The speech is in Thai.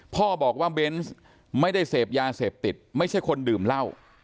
พ่อบอกว่าเบนส์ไม่ได้เสพยาเสพติดไม่ใช่คนดื่มเหล้า